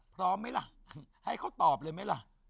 พร้อมมั้ยล่ะให้เขาตอบเลยมั้ยล่ะ